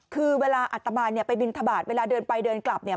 คือเวลาอัตมานเนี่ยไปบินทบาทเวลาเดินไปเดินกลับเนี่ย